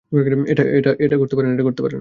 এটা ঘটতে পারে না।